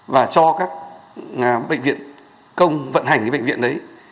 và cho các bệnh viện công vận hành cái bệnh viện đấy